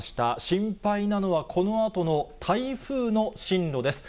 心配なのはこのあとの台風の進路です。